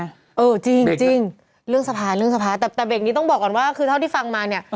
เออจริงจริงเรื่องสภาเรื่องสภาแต่เบรกนี้ต้องบอกก่อนว่าคือเท่าที่ฟังมาเนี่ย